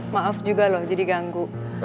maaf juga loh jadi ganggu